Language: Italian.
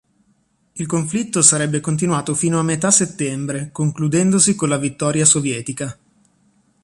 Il conflitto sarebbe continuato fino a metà settembre concludendosi con la vittoria sovietica.